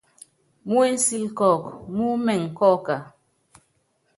Mú ensíl kɔ́ɔk mú imɛŋ kɔ́ɔka ?